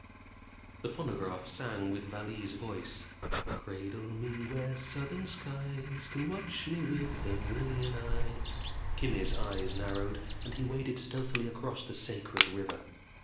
__The phonograph sang with Vallee's voice: "Cradle me where southern skies can watch me with a million eyes " Kimmy's eyes narrowed and he waded stealthily across the sacred river.